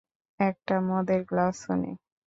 একটা মদের গ্লাসও নেই।